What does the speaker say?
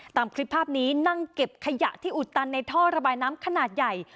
ตามคลิปภาพนี้นั่งเก็บขยะที่อุดตันในท่อระบายน้ำขนาดใหญ่